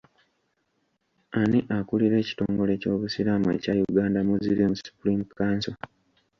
Ani akulira ekitongole ky'obusiraamu ekya Uganda Muslim supreme council?